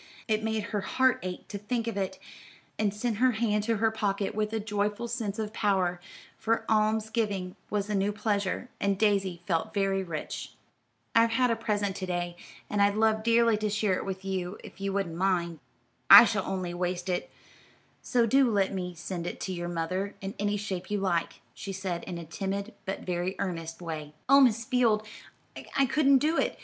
It made her heart ache to think of it, and sent her hand to her pocket with a joyful sense of power; for alms giving was a new pleasure, and Daisy felt very rich. "I've had a present to day, and I'd love dearly to share it with you if you wouldn't mind. I shall only waste it, so do let me send it to your mother in any shape you like," she said in a timid, but very earnest way. "Oh, Miss Field! I couldn't do it!